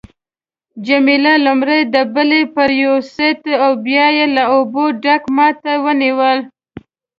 جميله لومړی دبلی پریویست او بیا یې له اوبو ډک ما ته ونیو.